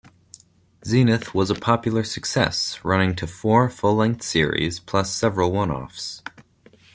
"Zenith" was a popular success, running to four full-length series plus several one-offs.